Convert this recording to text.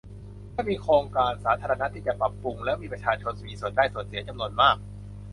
ถ้ามีโครงการสาธารณะที่จะปรับปรุงแล้วมีประชาชนมีส่วนได้ส่วนเสียจำนวนมาก